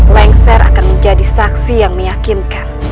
lengser akan menjadi saksi yang meyakinkan